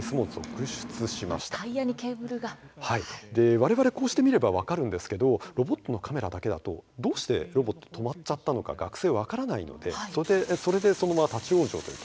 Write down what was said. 我々こうして見れば分かるんですけどロボットのカメラだけだとどうしてロボット止まっちゃったのか学生分からないのでそれでそのまま立ち往生というケースもありました。